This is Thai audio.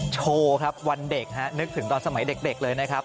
โชว์ครับวันเด็กฮะนึกถึงตอนสมัยเด็กเลยนะครับ